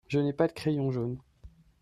Je n'ai pas de crayon jaune.